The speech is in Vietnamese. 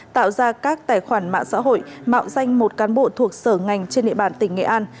tạo ra các tài khoản mạng xã hội mạo danh một cán bộ thuộc sở ngành trên địa bàn tỉnh nghệ an